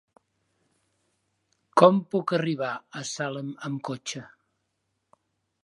Com puc arribar a Salem amb cotxe?